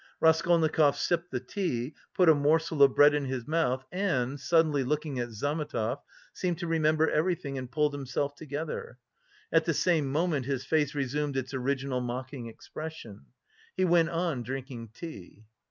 Raskolnikov sipped the glass, put a morsel of bread in his mouth and, suddenly looking at Zametov, seemed to remember everything and pulled himself together. At the same moment his face resumed its original mocking expression. He went on drinking tea.